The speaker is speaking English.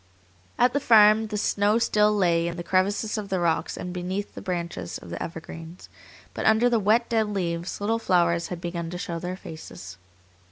At the farm the snow still lay in the crevices of the rocks and beneath the branches of the evergreens, but under the wet, dead leaves little flowers had begun to show their faces.